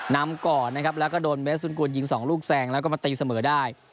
นำก่อนนะครับแล้วก็โดนเบสสุนกวนยิง๒ลูกแซงแล้วก็มาตีเสมอได้